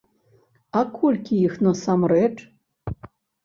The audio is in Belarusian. А колькі іх насамрэч?